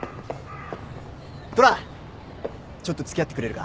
虎ちょっと付き合ってくれるか？